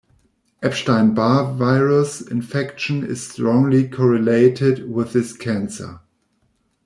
Epstein-Barr virus infection is strongly correlated with this cancer.